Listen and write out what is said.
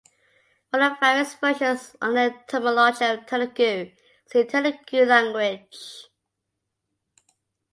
For the various versions on the etymology of Telugu, see Telugu language.